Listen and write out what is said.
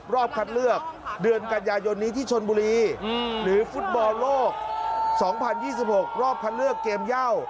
รอบคัดเลือกเดือนกันยายนนี้ที่ชนบุรีหรือฟุตบอลโลก๒๐๒๖รอบคัดเลือกเกมเย่า